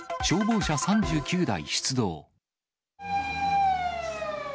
消防車３９台出動。